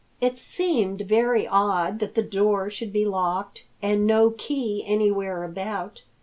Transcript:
It seemed very odd that the door should be locked and no key anywhere about.